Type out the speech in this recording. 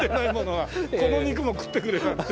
この肉も食ってくれなんて。